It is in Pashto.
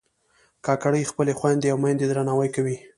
کاکړي خپلې خویندې او میندې درناوي کوي.